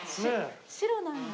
白なんだ。